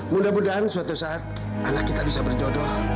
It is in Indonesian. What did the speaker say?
mudah mudahan suatu saat anak kita bisa berjodoh